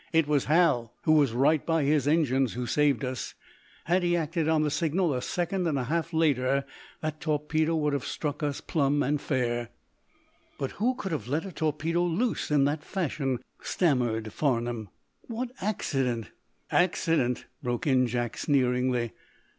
"It was Hal, who was right by his engines, who saved us. Had he acted on the signal a second and a half later that torpedo would have struck us plumb and fair." "But who could have let a torpedo loose in that fashion?" stammered Farnum. "What accident " "Accident!" broke in Jack, sneeringly.